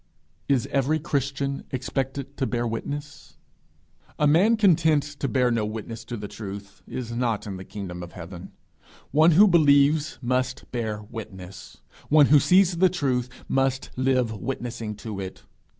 Is every Christian expected to bear witness? A man content to bear no witness to the truth is not in the kingdom of heaven. One who believes must bear witness. One who sees the truth, must live witnessing to it.